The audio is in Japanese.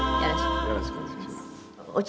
よろしくお願いします。